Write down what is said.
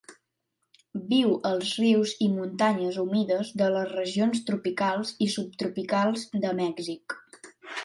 Viu als rius i muntanyes humides de les regions tropicals i subtropicals de Mèxic.